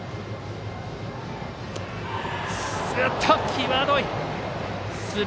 際どい！